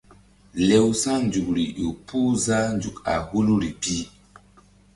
Lewsa̧ nzukri ƴo puh zah nzuk a huluri pi.